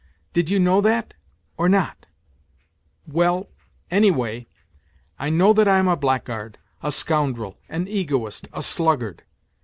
Did you know that, or not 1 Well, anyway, I know that I am a blackguard, a scoundrel, an egoist, a sluggard.